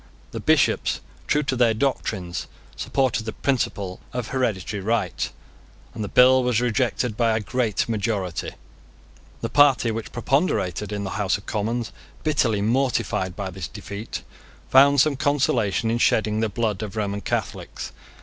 The Bishops, true to their doctrines, supported the principle of hereditary right, and the bill was rejected by a great majority. The party which preponderated in the House of Commons, bitterly mortified by this defeat, found some consolation in shedding the blood of Roman Catholics.